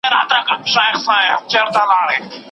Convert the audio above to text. علماوو به په ټولنه کي خپل رول لوبولی وي.